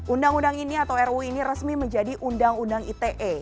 undang undang ini atau ruu ini resmi menjadi undang undang ite